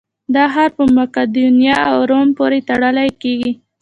دا ښار په مقدونیه او روم پورې تړل کېږي.